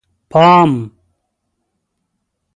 _پام!!!